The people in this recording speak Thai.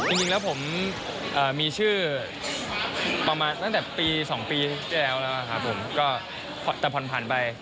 จริงแล้วผมมีชื่อประมาณตั้งแต่ปี๒ปีที่แล้วแล้วครับผมก็แต่ผ่อนผ่านไป